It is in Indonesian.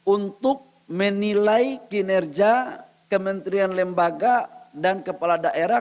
untuk menilai kinerja kementerian lembaga dan kepala daerah